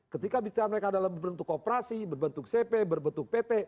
ketika bicara mereka dalam bentuk kooperasi berbentuk cp berbentuk pt